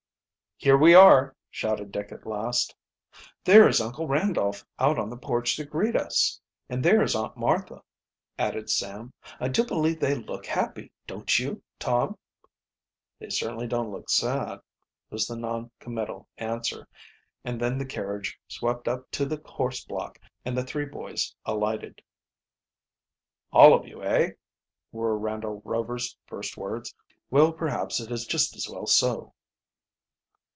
"Here we are!" shouted Dick at last. "There is Uncle Randolph out on the porch to greet us!" "And there is Aunt Martha!" added Sam. "I do believe they look happy, don't you, Tom?" "They certainly don't look sad," was the noncommittal answer; and then the carriage swept up to the horse block and the three boys alighted. "All of you, eh?" were Randolph Rover's first words. "Well, perhaps it is just as well so."